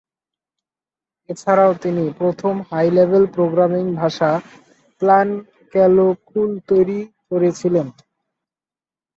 এছাড়াও তিনি প্রথম হাই-লেভেল প্রোগ্রামিং ভাষা প্লানক্যালকুল্ তৈরি করেছিলেন।